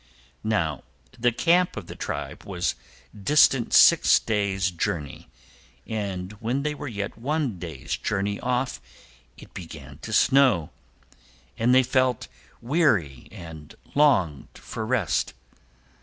Now, the camp of the tribe was distant six days' journey, and when they were yet one day's journey off it began to snow, and they felt weary and longed for rest.